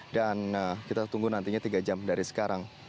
dan kita tunggu nantinya tiga jam dari sekarang